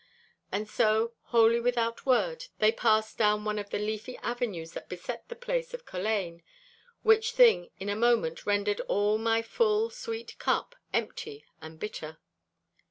And so, wholly without word, they passed down one of the leafy avenues that beset the place of Culzean, which thing in a moment rendered all my full, sweet cup empty and bitter.